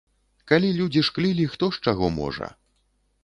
Калі людзі шклілі хто з чаго можа.